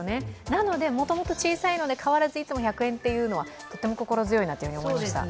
なのでもともと小さいので変わらずいつも１００円というのは、とても心強いなと思いました。